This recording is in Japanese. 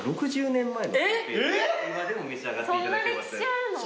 ６０年前。